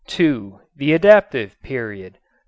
The Adaptive Period 3.